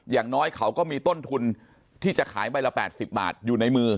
อย่างน้อยเขาก็มีต้นทุนที่จะขายใบละ๘๐บาทอยู่ในมือ